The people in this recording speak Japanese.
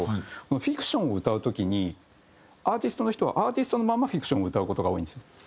フィクションを歌う時にアーティストの人はアーティストのままフィクションを歌う事が多いんですよ。